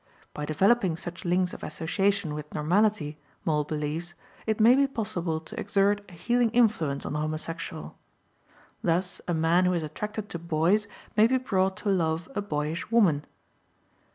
By developing such links of association with normality, Moll believes, it may be possible to exert a healing influence on the homosexual. Thus a man who is attracted to boys may be brought to love a boyish woman.